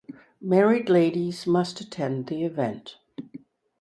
Married ladies must attend the event.